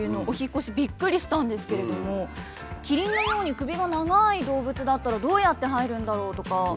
お引っ越しびっくりしたんですけれどもキリンのように首が長い動物だったらどうやって入るんだろうとか。